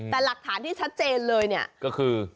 แต่หลักฐานที่ชัดเจนเลยเนี่ยก็คือ